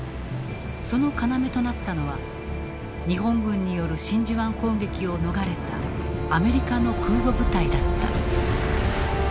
その要となったのは日本軍による真珠湾攻撃を逃れたアメリカの空母部隊だった。